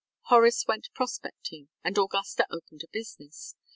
Horace went prospecting and Augusta opened a business.